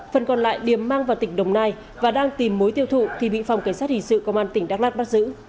phần còn lại điểm mang vào tỉnh đồng nai và đang tìm mối tiêu thụ thì bị phòng cảnh sát hình sự công an tỉnh đắk lắc bắt giữ